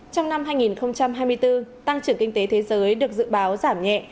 trong năm hai nghìn hai mươi bốn tăng trưởng kinh tế thế giới được dự báo giảm nhẹ